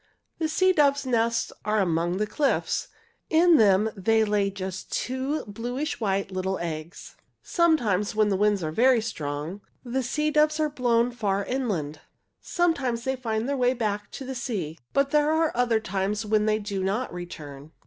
"The sea doves' nests are among the cliffs. In them they lay just two bluish white little eggs. "Sometimes, when the winds are very strong, the sea doves are blown far inland. Sometimes they find their way back to the sea. But there are other times when they do not return."